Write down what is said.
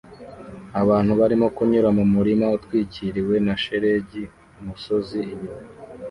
Abantu barimo kunyura mu murima utwikiriwe na shelegi umusozi inyuma